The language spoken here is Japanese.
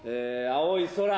「青い空！